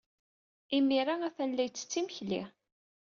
Imir-a, atan la yettett imekli.